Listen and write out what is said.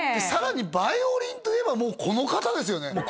さらにヴァイオリンといえばもうこの方ですよね